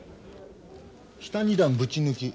下２段ぶち抜き。